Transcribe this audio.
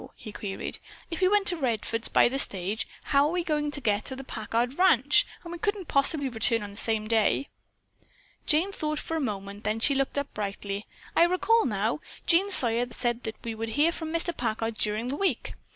he queried. "If we went to Redfords by the stage, how are we to get to the Packard ranch? And we couldn't possibly return on the same day." Jane thought for a moment, then she looked up brightly. "I recall now. Jean Sawyer said that we would hear from Mr. Packard during the week."